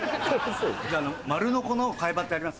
じゃあ丸ノコの替え刃ってあります？